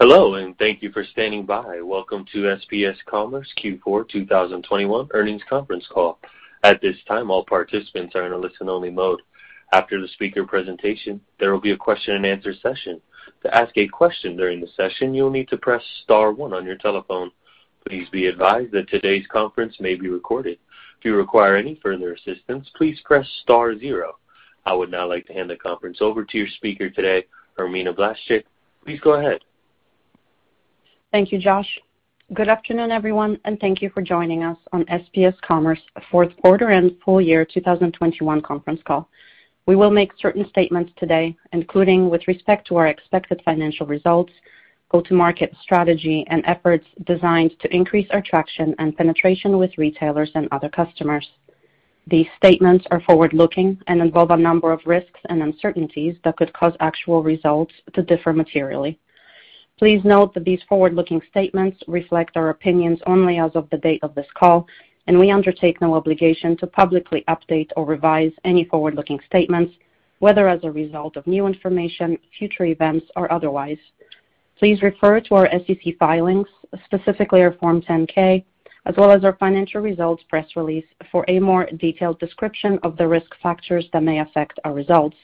Hello, and thank you for standing by. Welcome to SPS Commerce Q4 2021 earnings conference call. At this time, all participants are in a listen-only mode. After the speaker presentation, there will be a question and answer session. To ask a question during the session, you will need to press star one on your telephone. Please be advised that today's conference may be recorded. If you require any further assistance, please press star zero. I would now like to hand the conference over to your speaker today, Irmina Blaszczyk. Please go ahead. Thank you, Josh. Good afternoon, everyone, and thank you for joining us on SPS Commerce Q4 and full year 2021 conference call. We will make certain statements today, including with respect to our expected financial results, go-to-market strategy, and efforts designed to increase our traction and penetration with retailers and other customers. These statements are forward-looking and involve a number of risks and uncertainties that could cause actual results to differ materially. Please note that these forward-looking statements reflect our opinions only as of the date of this call, and we undertake no obligation to publicly update or revise any forward-looking statements, whether as a result of new information, future events, or otherwise. Please refer to our SEC filings, specifically our Form 10-K, as well as our financial results press release for a more detailed description of the risk factors that may affect our results.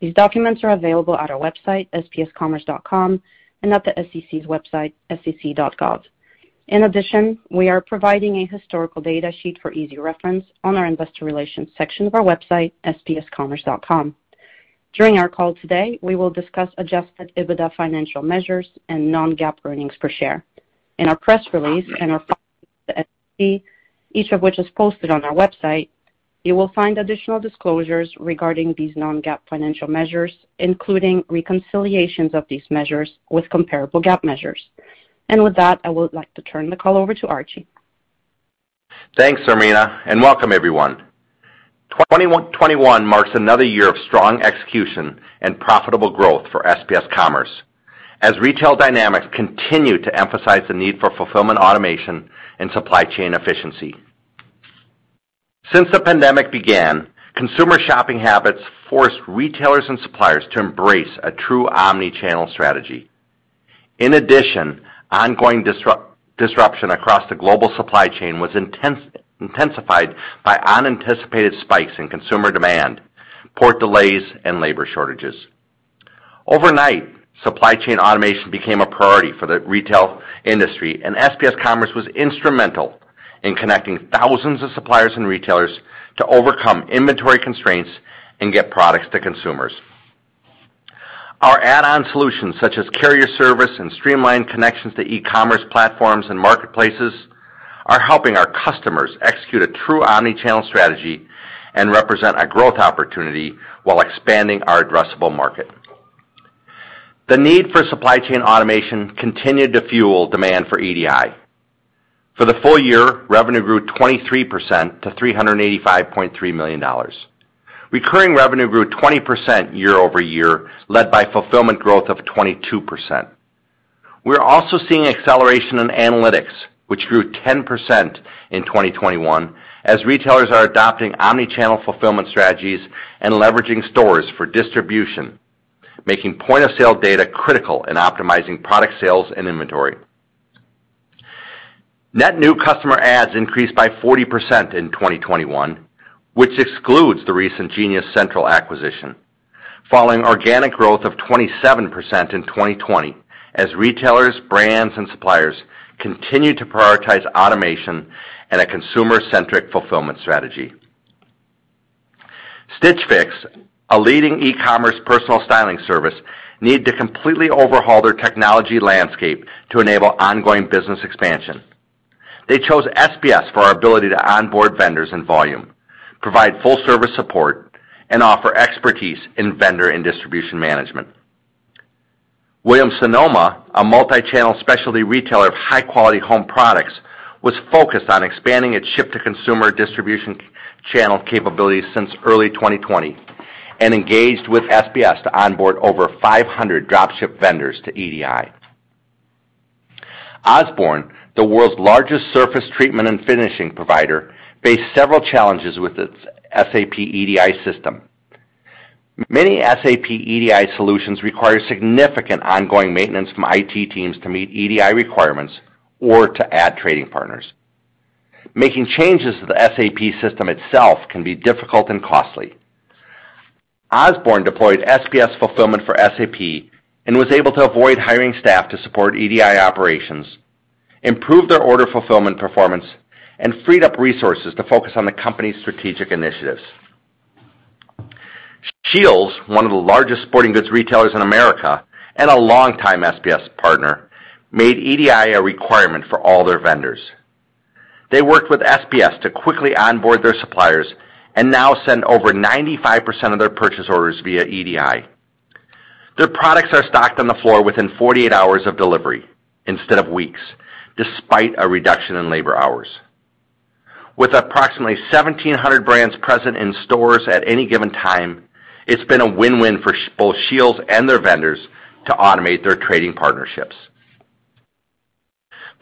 These documents are available at our website, spscommerce.com, and at the SEC's website, sec.gov. In addition, we are providing a historical data sheet for easy reference on our investor relations section of our website, spscommerce.com. During our call today, we will discuss Adjusted EBITDA financial measures and non-GAAP earnings per share. In our press release and our 10-K to the SEC, each of which is posted on our website, you will find additional disclosures regarding these non-GAAP financial measures, including reconciliations of these measures with comparable GAAP measures. With that, I would like to turn the call over to Archie. Thanks, Irmina, and welcome everyone. 2021 marks another year of strong execution and profitable growth for SPS Commerce as retail dynamics continue to emphasize the need for Fulfillment automation and supply chain efficiency. Since the pandemic began, consumer shopping habits forced retailers and suppliers to embrace a true omnichannel strategy. In addition, ongoing disruption across the global supply chain was intensified by unanticipated spikes in consumer demand, port delays, and labor shortages. Overnight, supply chain automation became a priority for the retail industry, and SPS Commerce was instrumental in connecting thousands of suppliers and retailers to overcome inventory constraints and get products to consumers. Our add-on solutions, such as Carrier Service and streamlined connections to e-commerce platforms and marketplaces, are helping our customers execute a true omnichannel strategy and represent a growth opportunity while expanding our addressable market. The need for supply chain automation continued to fuel demand for EDI. For the full year, revenue grew 23% to $385.3 million. Recurring revenue grew 20% year over year, led by fulfillment growth of 22%. We're also seeing acceleration in analytics, which grew 10% in 2021 as retailers are adopting omnichannel fulfillment strategies and leveraging stores for distribution, making point-of-sale data critical in optimizing product sales and inventory. Net new customer adds increased by 40% in 2021, which excludes the recent Genius Central acquisition, following organic growth of 27% in 2020 as retailers, brands, and suppliers continued to prioritize automation and a consumer-centric fulfillment strategy. Stitch Fix, a leading e-commerce personal styling service, needed to completely overhaul their technology landscape to enable ongoing business expansion. They chose SPS for our ability to onboard vendors in volume, provide full service support, and offer expertise in vendor and distribution management. Williams-Sonoma, a multi-channel specialty retailer of high-quality home products, was focused on expanding its ship-to-consumer distribution channel capabilities since early 2020 and engaged with SPS to onboard over 500 drop-ship vendors to EDI. Osborn, the world's largest surface treatment and finishing provider, faced several challenges with its SAP EDI system. Many SAP EDI solutions require significant ongoing maintenance from IT teams to meet EDI requirements or to add trading partners. Making changes to the SAP system itself can be difficult and costly. Osborn deployed SPS fulfillment for SAP and was able to avoid hiring staff to support EDI operations, improve their order fulfillment performance, and freed up resources to focus on the company's strategic initiatives. SCHEELS, one of the largest sporting goods retailers in America and a longtime SPS partner, made EDI a requirement for all their vendors. They worked with SPS to quickly onboard their suppliers and now send over 95% of their purchase orders via EDI. Their products are stocked on the floor within 48 hours of delivery instead of weeks, despite a reduction in labor hours. With approximately 1,700 brands present in stores at any given time, it's been a win-win for both SCHEELS and their vendors to automate their trading partnerships.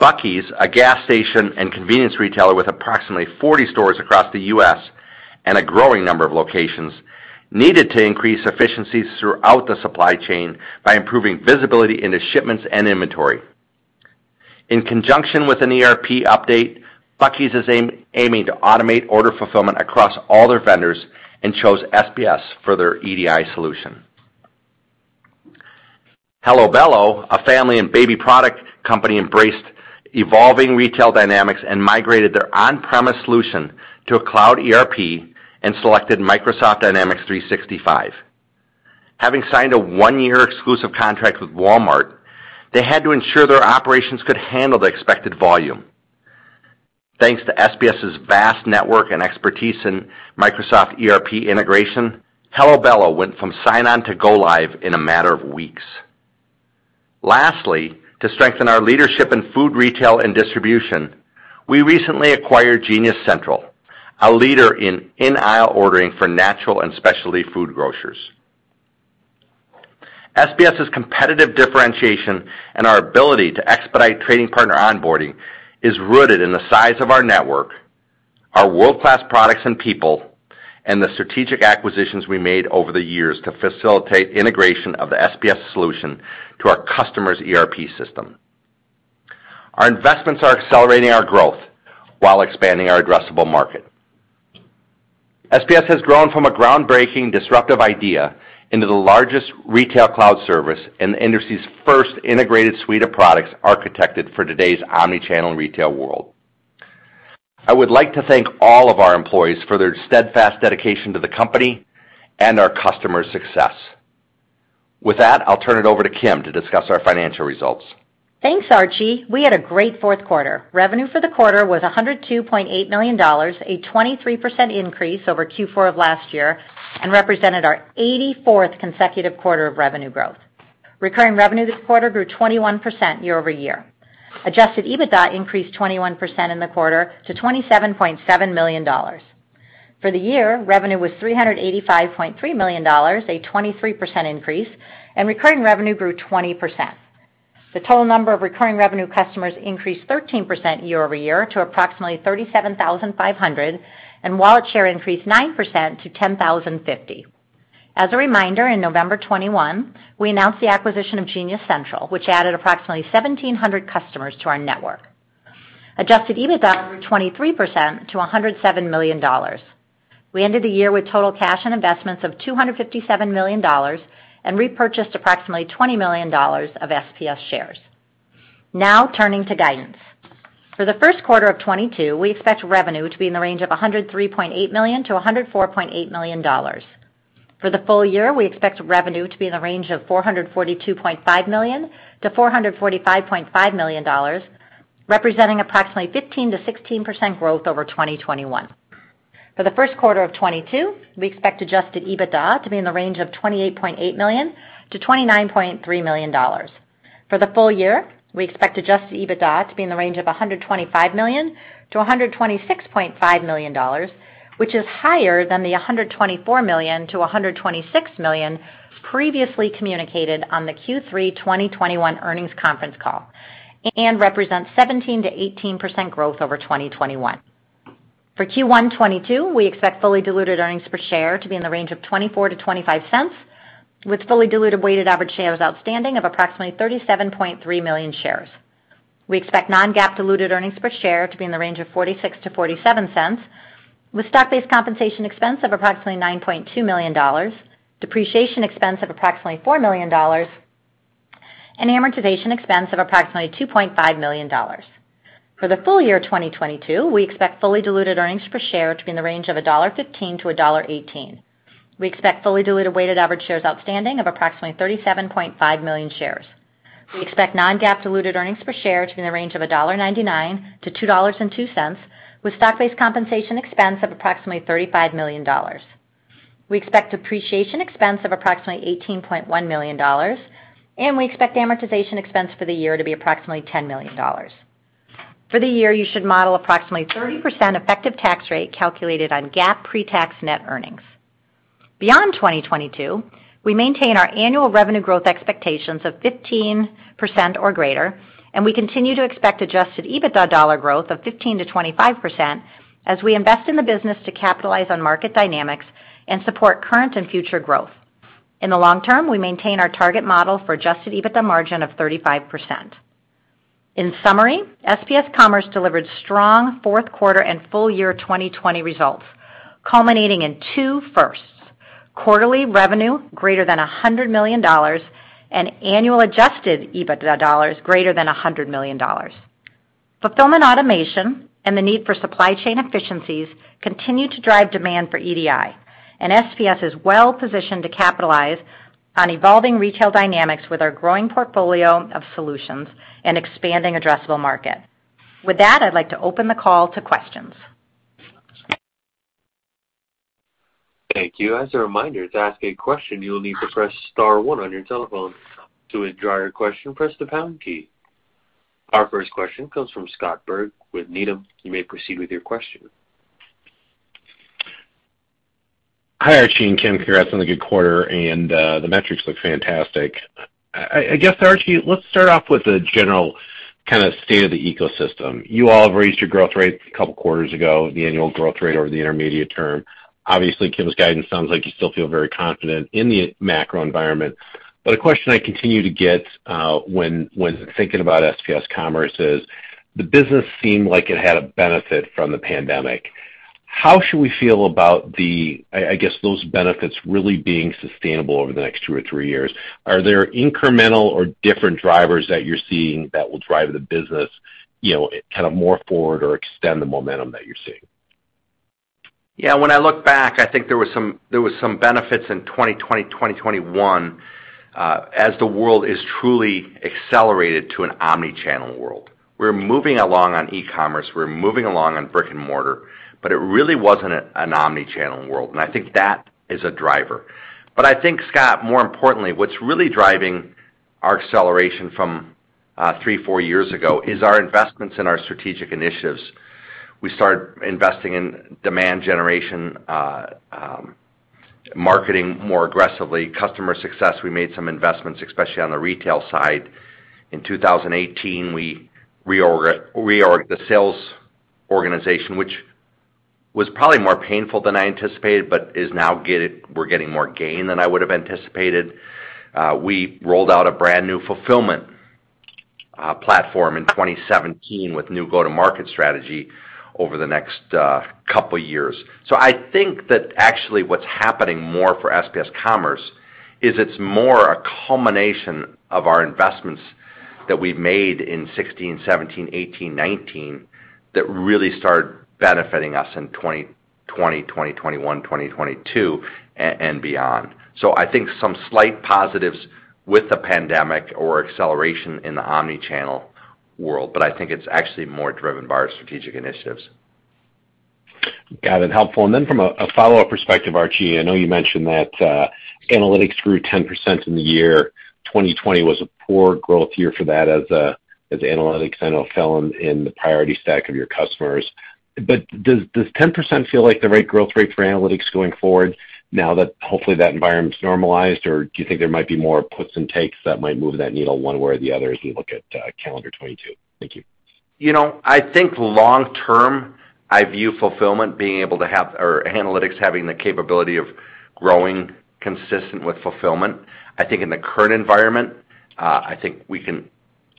Buc-ee's, a gas station and convenience retailer with approximately 40 stores across the U.S. and a growing number of locations, needed to increase efficiencies throughout the supply chain by improving visibility into shipments and inventory. In conjunction with an ERP update, Buc-ee's is aiming to automate order fulfillment across all their vendors and chose SPS for their EDI solution. Hello Bello, a family and baby product company, embraced evolving retail dynamics and migrated their on-premise solution to a cloud ERP and selected Microsoft Dynamics 365. Having signed a one-year exclusive contract with Walmart, they had to ensure their operations could handle the expected volume. Thanks to SPS's vast network and expertise in Microsoft ERP integration, Hello Bello went from sign-on to go live in a matter of weeks. Lastly, to strengthen our leadership in food, retail, and distribution, we recently acquired Genius Central, a leader in in-aisle ordering for natural and specialty food grocers. SPS's competitive differentiation and our ability to expedite trading partner onboarding is rooted in the size of our network, our world-class products and people, and the strategic acquisitions we made over the years to facilitate integration of the SPS solution to our customers' ERP system. Our investments are accelerating our growth while expanding our addressable market. SPS has grown from a groundbreaking disruptive idea into the largest retail cloud service and the industry's first integrated suite of products architected for today's omni-channel retail world. I would like to thank all of our employees for their steadfast dedication to the company and our customers' success. With that, I'll turn it over to Kim to discuss our financial results. Thanks, Archie. We had a great Q4. Revenue for the quarter was $102.8 million, a 23% increase over Q4 of last year, and represented our 84th consecutive quarter of revenue growth. Recurring revenue this quarter grew 21% year-over-year. Adjusted EBITDA increased 21% in the quarter to $27.7 million. For the year, revenue was $385.3 million, a 23% increase, and recurring revenue grew 20%. The total number of recurring revenue customers increased 13% year-over-year to approximately 37,500, and wallet share increased 9% to 10,050. As a reminder, in November 2021, we announced the acquisition of Genius Central, which added approximately 1,700 customers to our network. Adjusted EBITDA grew 23% to $107 million. We ended the year with total cash and investments of $257 million and repurchased approximately $20 million of SPS shares. Now turning to guidance. For the Q1 of 2022, we expect revenue to be in the range of $103.8 million-$104.8 million. For the full year, we expect revenue to be in the range of $442.5 million-$445.5 million, representing approximately 15%-16% growth over 2021. For the Q1 of 2022, we expect Adjusted EBITDA to be in the range of $28.8 million-$29.3 million. For the full year, we expect Adjusted EBITDA to be in the range of $125 million-$126.5 million, which is higher than a $124 million-$126 million previously communicated on the Q3 2021 earnings conference call and represents 17%-18% growth over 2021. For Q1 2022, we expect fully diluted earnings per share to be in the range of $0.24-$0.25, with fully diluted weighted average shares outstanding of approximately 37.3 million shares. We expect non-GAAP diluted earnings per share to be in the range of $0.46-$0.47, with stock-based compensation expense of approximately $9.2 million, depreciation expense of approximately $4 million, and amortization expense of approximately $2.5 million. For the full year 2022, we expect fully diluted earnings per share to be in the range of $1.15-$1.18. We expect fully diluted weighted average shares outstanding of approximately 37.5 million shares. We expect non-GAAP diluted earnings per share to be in the range of $1.99-$2.02, with stock-based compensation expense of approximately $35 million. We expect depreciation expense of approximately $18.1 million, and we expect amortization expense for the year to be approximately $10 million. For the year, you should model approximately 30% effective tax rate calculated on GAAP pre-tax net earnings. Beyond 2022, we maintain our annual revenue growth expectations of 15% or greater, and we continue to expect adjusted EBITDA dollar growth of 15%-25% as we invest in the business to capitalize on market dynamics and support current and future growth. In the long term, we maintain our target model for adjusted EBITDA margin of 35%. In summary, SPS Commerce delivered strong Q4 and full year 2020 results, culminating in two firsts, quarterly revenue greater than $100 million and annual adjusted EBITDA dollars greater than $100 million. Fulfillment automation and the need for supply chain efficiencies continue to drive demand for EDI, and SPS is well positioned to capitalize on evolving retail dynamics with our growing portfolio of solutions and expanding addressable market. With that, I'd like to open the call to questions. Thank you. As a reminder, to ask a question, you will need to press star one on your telephone. To withdraw your question, press the pound key. Our first question comes from Scott Berg with Needham. You may proceed with your question. Hi Archie and Kim. Congrats on the good quarter and the metrics look fantastic. I guess, Archie, let's start off with the general kinda state of the ecosystem. You all have raised your growth rate a couple quarters ago, the annual growth rate over the intermediate term. Obviously, Kim's guidance sounds like you still feel very confident in the macro environment. A question I continue to get, when thinking about SPS Commerce, is the business seemed like it had a benefit from the pandemic. How should we feel about those benefits really being sustainable over the next two or three years? Are there incremental or different drivers that you're seeing that will drive the business, you know, kind of more forward or extend the momentum that you're seeing? Yeah, when I look back, I think there were some benefits in 2020, 2021, as the world is truly accelerated to an omnichannel world. We're moving along on e-commerce, we're moving along on brick-and-mortar, but it really wasn't an omnichannel world, and I think that is a driver. I think, Scott, more importantly, what's really driving our acceleration from three, four years ago is our investments in our strategic initiatives. We started investing in demand generation, marketing more aggressively. In customer success, we made some investments, especially on the retail side. In 2018, we reorged the sales organization, which was probably more painful than I anticipated, but we are now getting more gain than I would've anticipated. We rolled out a brand new Fulfillment platform in 2017 with new go-to-market strategy over the next couple years. I think that actually what's happening more for SPS Commerce is it's more a culmination of our investments that we've made in 2016, 2017, 2018, 2019 that really started benefiting us in 2020, 2021, 2022 and beyond. I think some slight positives with the pandemic or acceleration in the omnichannel world, but I think it's actually more driven by our strategic initiatives. Got it. Helpful. From a follow-up perspective, Archie, I know you mentioned that Analytics grew 10% in the year. 2020 was a poor growth year for that as Analytics fell in the priority stack of your customers. Does 10% feel like the right growth rate for Analytics going forward now that, hopefully, that environment's normalized or do you think there might be more puts and takes that might move that needle one way or the other as we look at calendar 2022? Thank you. You know, I think long term, I view Fulfillment being able to have or Analytics having the capability of growing consistent with Fulfillment. I think in the current environment,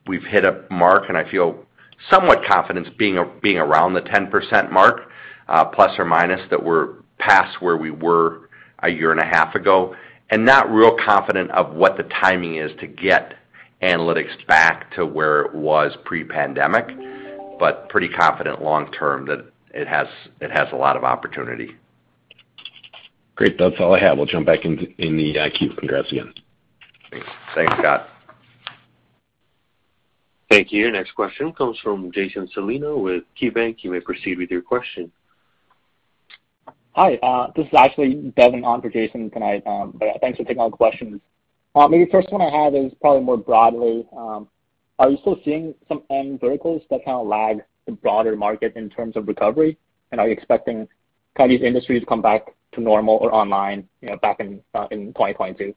we've hit a mark, and I feel somewhat confident being around the 10% mark, plus or minus, that we're past where we were a year and a half ago, and not real confident of what the timing is to get Analytics back to where it was pre-pandemic, but pretty confident long term that it has a lot of opportunity. Great. That's all I have. We'll jump back into the queue. Congrats again. Thanks. Thanks, Scott. Thank you. Next question comes from Jason Celino with KeyBanc. You may proceed with your question. Hi. This is actually Devin on for Jason tonight. Thanks for taking all the questions. Maybe first one I have is probably more broadly. Are you still seeing some in verticals that kind of lag the broader market in terms of recovery, and are you expecting kind of these industries to come back to normal or online, you know, back in 2022?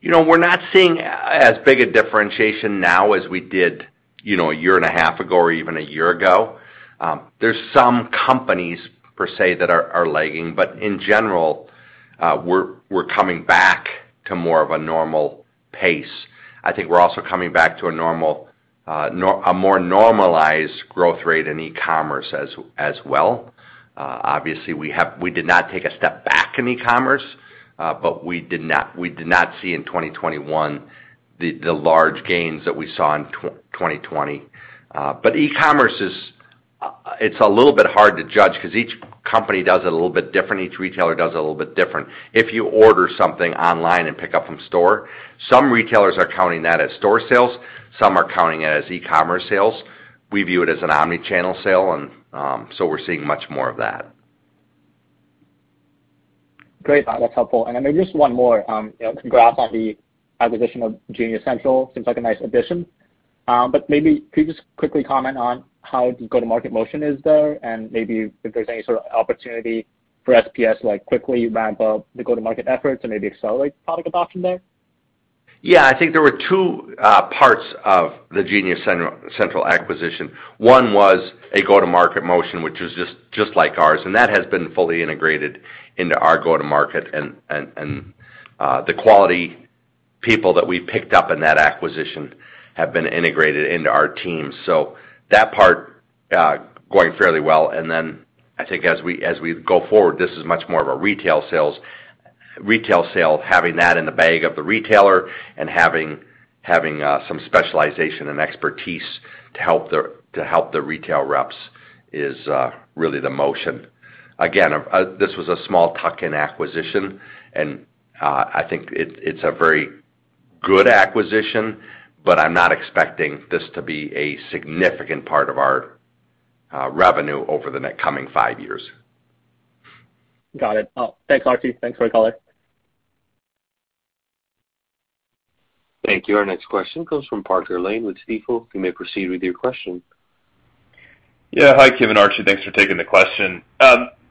You know, we're not seeing as big a differentiation now as we did, you know, a year and a half ago or even a year ago. There's some companies per se that are lagging. In general, we're coming back to more of a normal pace. I think we're also coming back to a normal, a more normalized growth rate in e-commerce as well. Obviously we did not take a step back in e-commerce, but we did not see in 2021 the large gains that we saw in 2020. But e-commerce is a little bit hard to judge 'cause each company does it a little bit different, each retailer does it a little bit different. If you order something online and pick up from store, some retailers are counting that as store sales, some are counting it as e-commerce sales. We view it as an omnichannel sale and, so we're seeing much more of that. Great. That's helpful. Maybe just one more. You know, congrats on the acquisition of Genius Central. Seems like a nice addition. Maybe could you just quickly comment on how the go-to-market motion is there, and maybe if there's any sort of opportunity for SPS, like, quickly ramp up the go-to-market efforts and maybe accelerate product adoption there? Yeah. I think there were two parts of the Genius Central acquisition. One was a go-to-market motion, which is just like ours, and that has been fully integrated into our go-to-market and the quality people that we picked up in that acquisition have been integrated into our team. So that part going fairly well. Then I think as we go forward, this is much more of a retail sales having that in the bag of the retailer and having some specialization and expertise to help the retail reps is really the motion. Again, this was a small tuck-in acquisition, and I think it's a very good acquisition, but I'm not expecting this to be a significant part of our revenue over the next five years. Got it. Thanks, Archie. Thanks for the color. Thank you. Our next question comes from Parker Lane with Stifel. You may proceed with your question. Yeah. Hi, Kim and Archie. Thanks for taking the question.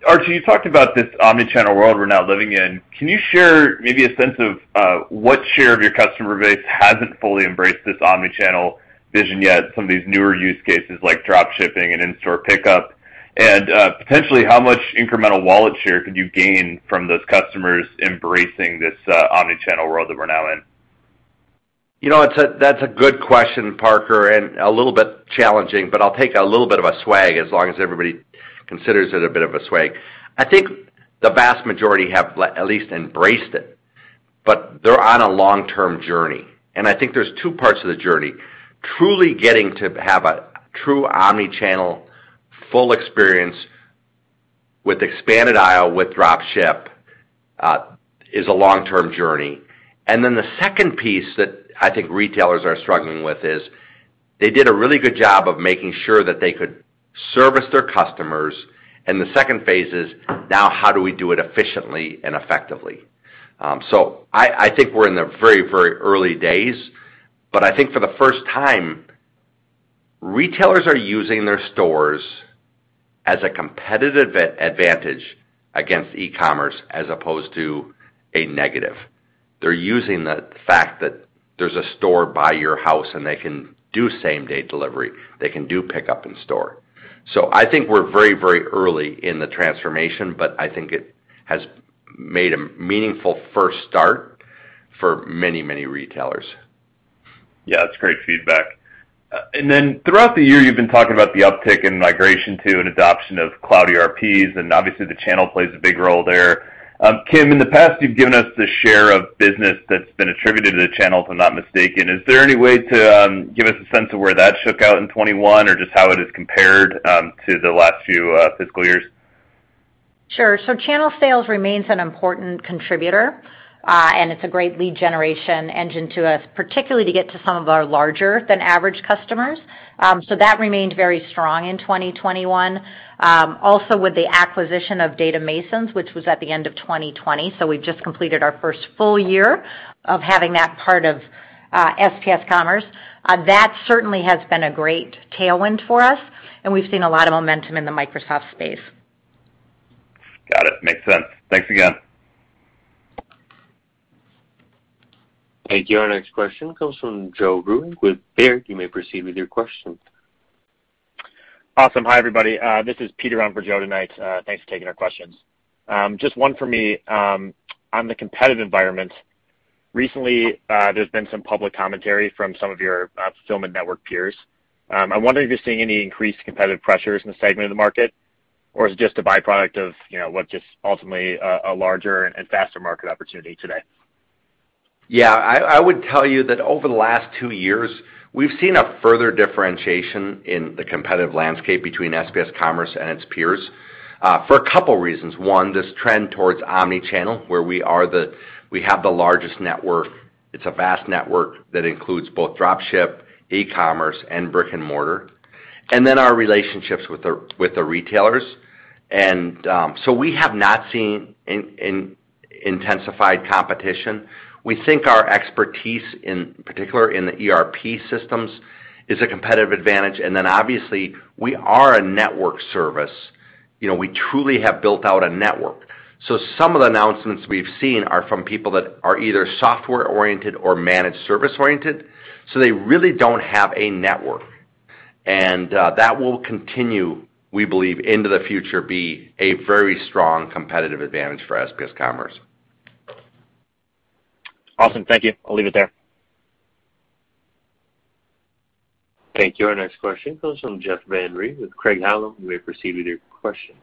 Archie, you talked about this omnichannel world we're now living in. Can you share maybe a sense of what share of your customer base hasn't fully embraced this omnichannel vision yet, some of these newer use cases like drop-ship and in-store pickup? Potentially how much incremental wallet share could you gain from those customers embracing this omnichannel world that we're now in? You know, it's a good question, Parker, and a little bit challenging, but I'll take a little bit of a swag as long as everybody considers it a bit of a swag. I think the vast majority have at least embraced it, but they're on a long-term journey. I think there's two parts to the journey. Truly getting to have a true omnichannel full experience with expanded aisle, with drop ship, is a long-term journey. Then the second piece that I think retailers are struggling with is they did a really good job of making sure that they could service their customers, and the second phase is now how do we do it efficiently and effectively. I think we're in the very, very early days, but I think for the first time, retailers are using their stores as a competitive advantage against e-commerce as opposed to a negative. They're using the fact that there's a store by your house, and they can do same-day delivery. They can do pickup in store. I think we're very, very early in the transformation, but I think it has made a meaningful first start for many, many retailers. Yeah, that's great feedback. Throughout the year, you've been talking about the uptick in migration to and adoption of cloud ERPs, and obviously the channel plays a big role there. Kim, in the past, you've given us the share of business that's been attributed to the channel, if I'm not mistaken. Is there any way to give us a sense of where that shook out in 2021 or just how it is compared to the last few fiscal years? Sure. Channel sales remains an important contributor, and it's a great lead generation engine to us, particularly to get to some of our larger than average customers. That remained very strong in 2021. Also with the acquisition of Data Masons, which was at the end of 2020, so we've just completed our first full year of having that part of SPS Commerce, that certainly has been a great tailwind for us, and we've seen a lot of momentum in the Microsoft space. Got it. Makes sense. Thanks again. Thank you. Our next question comes from Joe Vruwink with Baird. You may proceed with your question. Awesome. Hi, everybody. This is Peter on for Joe tonight. Thanks for taking our questions. Just one for me. On the competitive environment, recently, there's been some public commentary from some of your fulfillment network peers. I wonder if you're seeing any increased competitive pressures in the segment of the market, or is it just a byproduct of, you know, what just ultimately a larger and faster market opportunity today? Yeah. I would tell you that over the last two years, we've seen a further differentiation in the competitive landscape between SPS Commerce and its peers, for a couple reasons. One, this trend towards omnichannel, where we have the largest network. It's a vast network that includes both drop-ship, e-commerce, and brick and mortar. We have not seen intensified competition. We think our expertise, in particular in the ERP systems, is a competitive advantage. Obviously, we are a network service. You know, we truly have built out a network. Some of the announcements we've seen are from people that are either software-oriented or managed service-oriented, so they really don't have a network. That will continue, we believe, into the future, be a very strong competitive advantage for SPS Commerce. Awesome. Thank you. I'll leave it there. Thank you. Our next question comes from Jeff Van Rhee with Craig-Hallum. You may proceed with your question.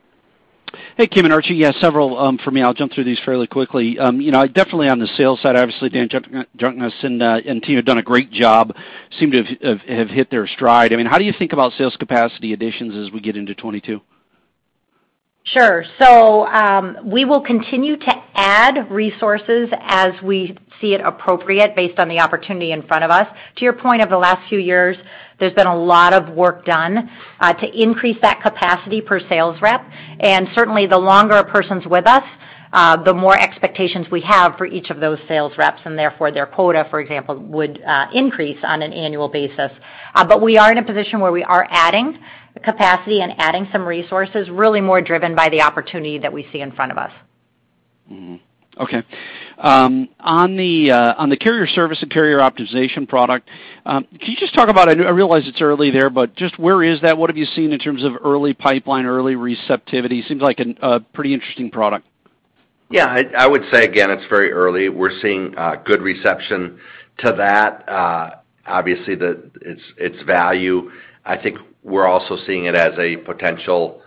Hey, Kim and Archie. Yeah, several for me. I'll jump through these fairly quickly. You know, definitely on the sales side, obviously Dan joining us and the team have done a great job. They seem to have hit their stride. I mean, how do you think about sales capacity additions as we get into 2022? Sure. We will continue to add resources as we see it appropriate based on the opportunity in front of us. To your point, over the last few years, there's been a lot of work done to increase that capacity per sales rep. Certainly the longer a person's with us, the more expectations we have for each of those sales reps, and therefore their quota, for example, would increase on an annual basis. We are in a position where we are adding capacity and adding some resources, really more driven by the opportunity that we see in front of us. Okay. On the Carrier Service and Carrier Optimization product, can you just talk about. I realize it's early there, but just where is that? What have you seen in terms of early pipeline, early receptivity? Seems like a pretty interesting product. Yeah. I would say again, it's very early. We're seeing good reception to that. Obviously, its value. I think we're also seeing it as a potential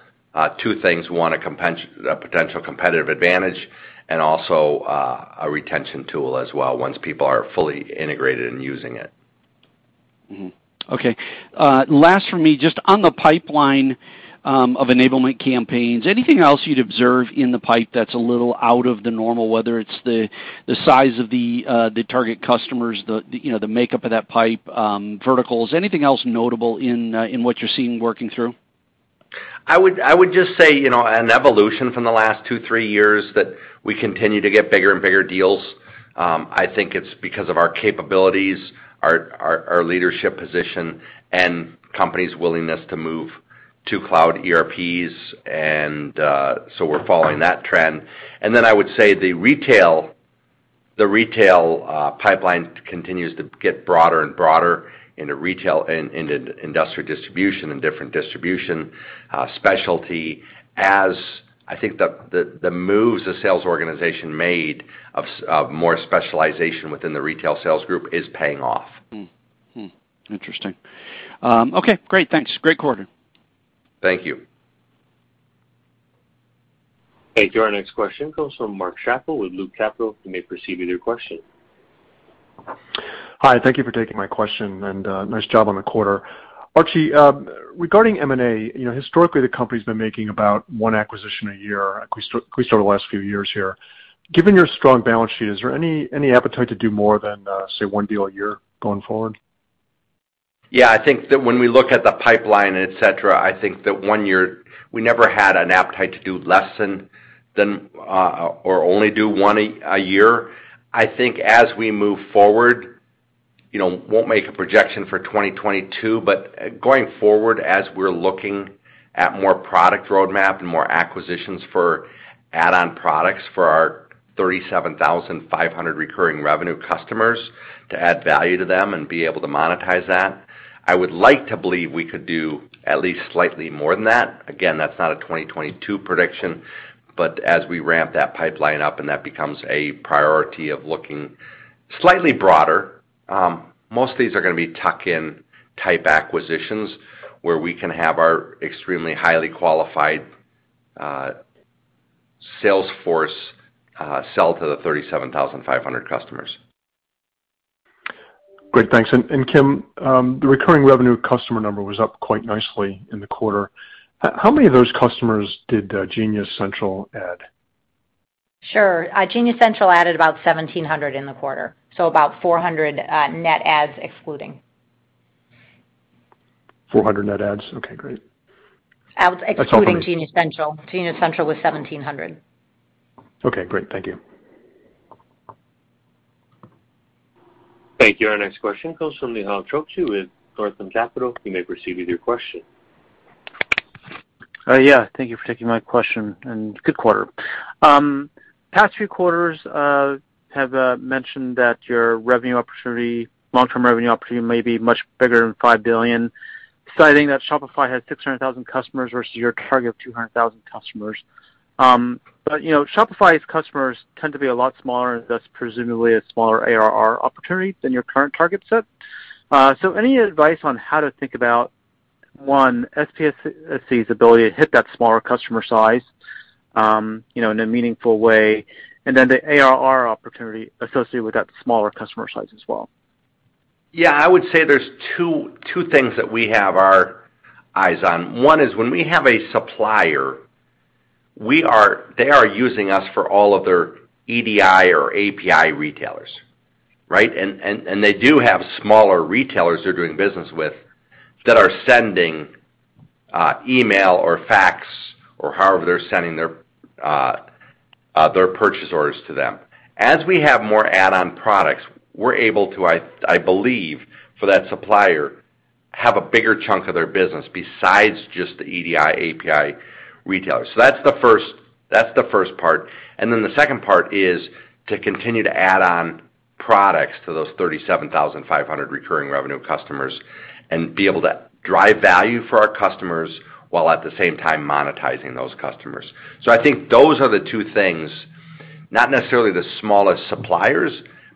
two things, one, a potential competitive advantage, and also, a retention tool as well once people are fully integrated and using it. Okay. Last for me, just on the pipeline of enablement campaigns, anything else you'd observe in the pipe that's a little out of the normal, whether it's the size of the target customers, you know, the makeup of that pipe, verticals? Anything else notable in what you're seeing working through? I would just say, you know, an evolution from the last two, three years that we continue to get bigger and bigger deals. I think it's because of our capabilities, our leadership position, and company's willingness to move to cloud ERPs and so we're following that trend. I would say the retail pipeline continues to get broader and broader into retail and into industrial distribution and different distribution specialty, as I think the moves the sales organization made of more specialization within the retail sales group is paying off. Interesting. Okay, great. Thanks. Great quarter. Thank you. Thank you. Our next question comes from Mark Schappel with Loop Capital. You may proceed with your question. Hi, thank you for taking my question, and nice job on the quarter. Archie, regarding M&A, you know, historically, the company's been making about one acquisition a year, at least over the last few years here. Given your strong balance sheet, is there any appetite to do more than, say one deal a year going forward? Yeah, I think that when we look at the pipeline, et cetera, I think that one year we never had an appetite to do less than or only do one a year. I think as we move forward, you know, we won't make a projection for 2022, but going forward as we're looking at more product roadmap and more acquisitions for add-on products for our 37,500 recurring revenue customers to add value to them and be able to monetize that, I would like to believe we could do at least slightly more than that. Again, that's not a 2022 prediction. As we ramp that pipeline up and that becomes a priority of looking slightly broader, most of these are gonna be tuck-in type acquisitions where we can have our extremely highly qualified sales force sell to the 37,500 customers. Great. Thanks. Kim, the recurring revenue customer number was up quite nicely in the quarter. How many of those customers did Genius Central add? Sure. Genius Central added about 1,700 in the quarter, so about 400 net adds excluding. 400 net adds? Okay, great. Excluding Genius Central. Genius Central was $1,700. Okay, great. Thank you. Thank you. Our next question comes from Nehal Chokshi with Northland Capital. You may proceed with your question. Yeah. Thank you for taking my question, and good quarter. Past few quarters have mentioned that your revenue opportunity, long-term revenue opportunity may be much bigger than $5 billion, citing that Shopify has 600,000 customers versus your target of 200,000 customers. You know, Shopify's customers tend to be a lot smaller, and thus presumably a smaller ARR opportunity than your current target set. Any advice on how to think about, one, SPSC's ability to hit that smaller customer size, you know, in a meaningful way, and then the ARR opportunity associated with that smaller customer size as well? Yeah, I would say there's two things that we have our eyes on. One is when we have a supplier, they are using us for all of their EDI or API retailers, right? They do have smaller retailers they're doing business with that are sending email or fax or however they're sending their purchase orders to them. As we have more add-on products, we're able to, I believe, for that supplier, have a bigger chunk of their business besides just the EDI, API retailers. That's the first part. The second part is to continue to add on products to those 37,500 recurring revenue customers and be able to drive value for our customers while at the same time monetizing those customers. I think those are the two things, not necessarily the smallest suppliers,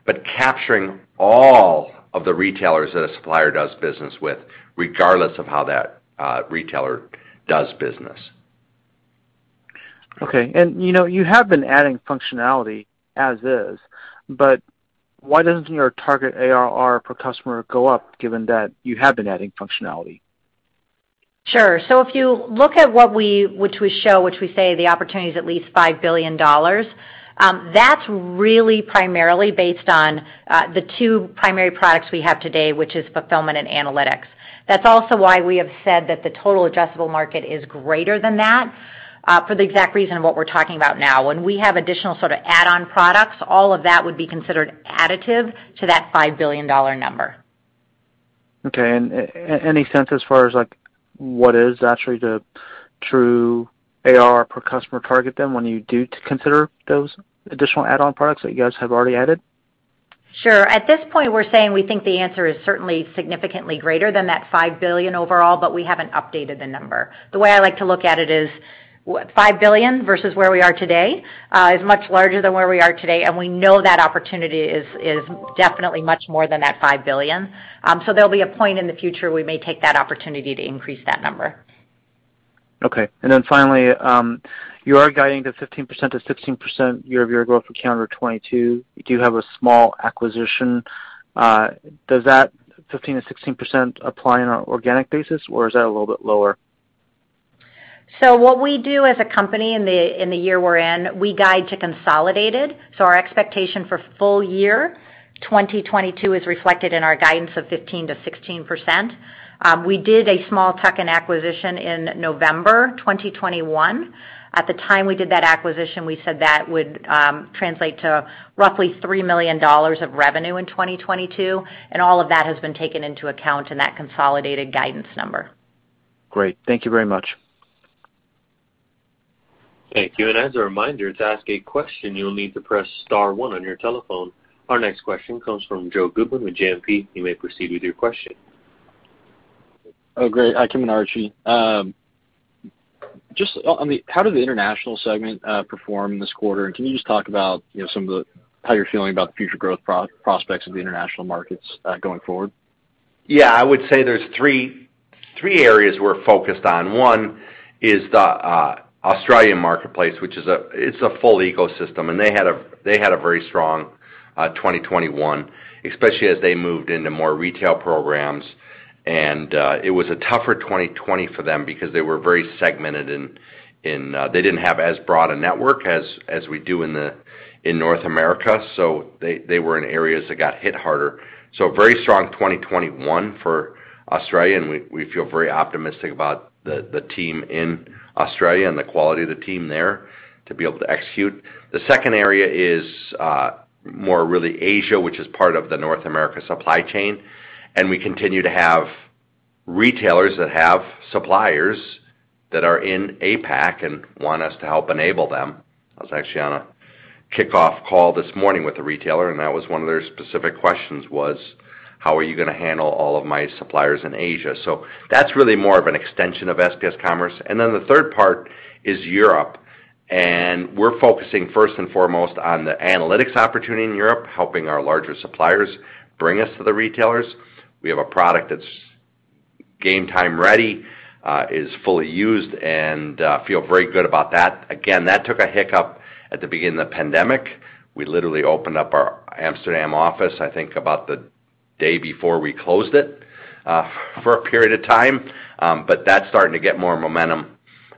but capturing all of the retailers that a supplier does business with regardless of how that retailer does business. Okay. You know, you have been adding functionality as is, but why doesn't your target ARR per customer go up given that you have been adding functionality? Sure. If you look at what we show, which we say the opportunity is at least $5 billion, that's really primarily based on the two primary products we have today, which is Fulfillment and Analytics. That's also why we have said that the total addressable market is greater than that, for the exact reason of what we're talking about now. When we have additional sort of add-on products, all of that would be considered additive to that $5 billion number. Okay. Any sense as far as, like, what is actually the true AR per customer target then when you do consider those additional add-on products that you guys have already added? Sure. At this point, we're saying we think the answer is certainly significantly greater than that $5 billion overall, but we haven't updated the number. The way I like to look at it is $5 billion versus where we are today is much larger than where we are today, and we know that opportunity is definitely much more than that $5 billion. There'll be a point in the future we may take that opportunity to increase that number. Okay. Finally, you are guiding to 15%-16% year-over-year growth for calendar 2022. You do have a small acquisition. Does that 15%-16% apply on an organic basis, or is that a little bit lower? What we do as a company in the year we're in, we guide to consolidated. Our expectation for full year 2022 is reflected in our guidance of 15%-16%. We did a small tuck-in acquisition in November 2021. At the time we did that acquisition, we said that would translate to roughly $3 million of revenue in 2022, and all of that has been taken into account in that consolidated guidance number. Great. Thank you very much. Thank you. As a reminder, to ask a question, you'll need to press star one on your telephone. Our next question comes from Joe Goodwin with JMP. You may proceed with your question. Oh, great. Hi, Kim and Archie. Just on the how did the international segment perform this quarter? Can you just talk about, you know, some of the how you're feeling about the future growth prospects of the international markets going forward? Yeah, I would say there's three areas we're focused on. One is the Australian marketplace, which is a full ecosystem, and they had a very strong 2021, especially as they moved into more retail programs. It was a tougher 2020 for them because they were very segmented, and they didn't have as broad a network as we do in North America, so they were in areas that got hit harder. Very strong 2021 for Australia, and we feel very optimistic about the team in Australia and the quality of the team there to be able to execute. The second area is more in Asia, which is part of the North America supply chain. We continue to have retailers that have suppliers that are in APAC and want us to help enable them. I was actually on a kickoff call this morning with a retailer, and that was one of their specific questions, "How are you gonna handle all of my suppliers in Asia?" That's really more of an extension of SPS Commerce. The third part is Europe. We're focusing first and foremost on the analytics opportunity in Europe, helping our larger suppliers bring us to the retailers. We have a product that's game-time ready, is fully used, and feel very good about that. Again, that took a hiccup at the beginning of the pandemic. We literally opened up our Amsterdam office, I think about the day before we closed it, for a period of time. That's starting to get more momentum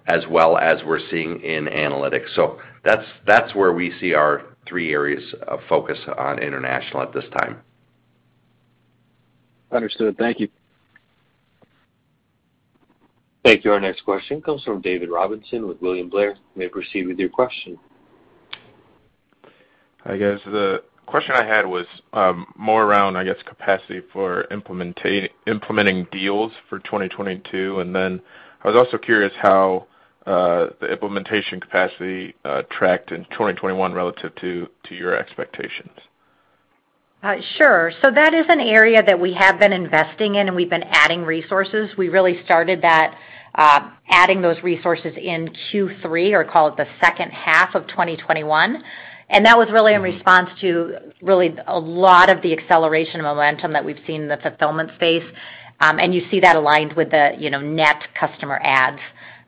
as well as we're seeing in Analytics. That's where we see our three areas of focus on international at this time. Understood. Thank you. Thank you. Our next question comes from David Robinson with William Blair. You may proceed with your question. I guess the question I had was more around, I guess, capacity for implementing deals for 2022. I was also curious how the implementation capacity tracked in 2021 relative to your expectations. Sure. That is an area that we have been investing in, and we've been adding resources. We really started that, adding those resources in Q3 or call it the H2 of 2021. That was really in response to really a lot of the acceleration and momentum that we've seen in the Fulfillment space. You see that aligned with the, you know, net customer adds,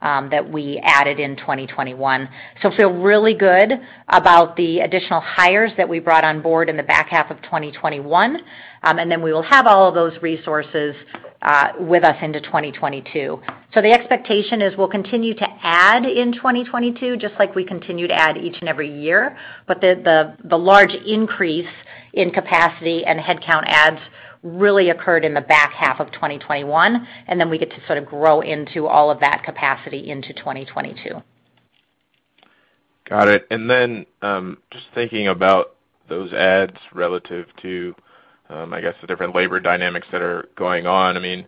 that we added in 2021. Feel really good about the additional hires that we brought on board in the back half of 2021, and then we will have all of those resources, with us into 2022. The expectation is we'll continue to add in 2022, just like we continue to add each and every year. The large increase in capacity and headcount adds really occurred in the back half of 2021, and then we get to sort of grow into all of that capacity into 2022. Got it. Just thinking about those adds relative to, I guess, the different labor dynamics that are going on. I mean,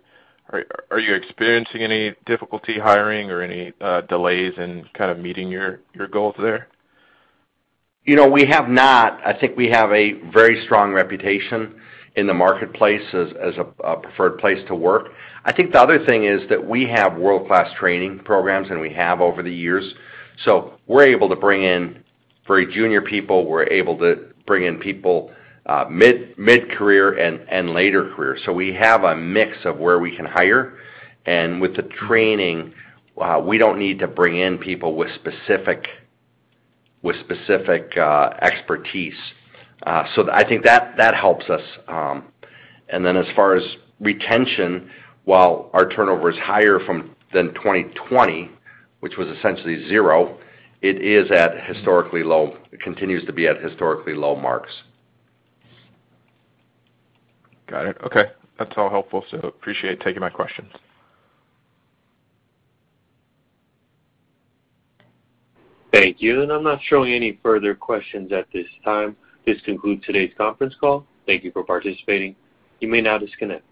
are you experiencing any difficulty hiring or any delays in kind of meeting your goals there? You know, we have not. I think we have a very strong reputation in the marketplace as a preferred place to work. I think the other thing is that we have world-class training programs, and we have over the years. We're able to bring in very junior people. We're able to bring in people mid-career and later career. We have a mix of where we can hire. With the training, we don't need to bring in people with specific expertise. I think that helps us. Then as far as retention, while our turnover is higher than 2020, which was essentially zero, it is at historically low. It continues to be at historically low marks. Got it. Okay. That's all helpful. I appreciate taking my questions. Thank you. I'm not showing any further questions at this time. This concludes today's conference call. Thank you for participating. You may now disconnect.